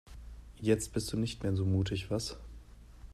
Jetzt bist du nicht mehr so mutig, was?